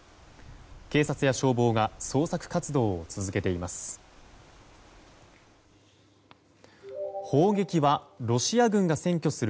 警察や消防が捜索活動を続けています。